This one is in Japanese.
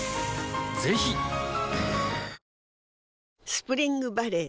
スプリングバレー